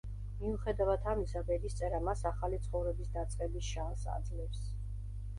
მიუხედავად ამისა ბედისწერა მას ახალი ცხოვრების დაწყების შანსს აძლევს.